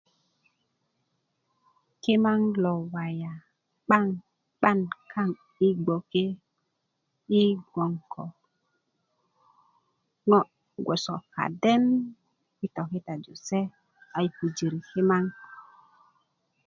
kimaŋ lo waya 'ban 'ban kaaŋ yi gboke yi' gboŋ ko ŋo' gboso kaden yi' tokitaju se a yi' pujiri kimaŋ